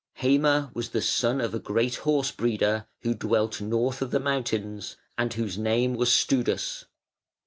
Heime was the son of a great horse breeder who dwelt north of the mountains, and whose name was Studas.